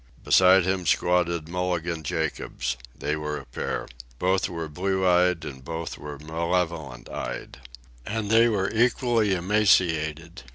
Beside him squatted Mulligan Jacobs. They were a pair. Both were blue eyed, and both were malevolent eyed. And they were equally emaciated.